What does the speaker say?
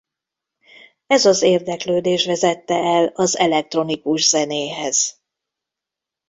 Ez az érdeklődés vezette el az elektronikus zenéhez.